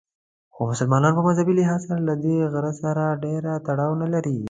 خو مسلمانان په مذهبي لحاظ له دې غره سره ډېر تړاو نه لري.